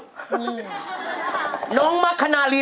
เหมือนแบบไม่รู้ดี